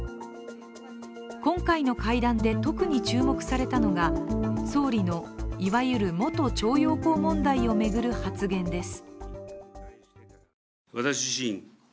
今回の会談で特に注目されたのが総理のいわゆる元徴用工問題を巡る発言です。